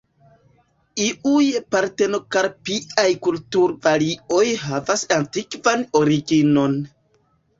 Iuj partenokarpiaj kulturvarioj havas antikvan originon.